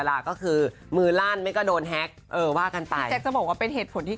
และมันก็เด้งออกไปหมดเลยอะไรอย่างนี้